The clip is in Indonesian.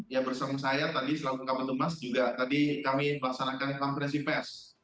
yang bersama saya tadi selama buka bentuk mas juga tadi kami melaksanakan kompresi pes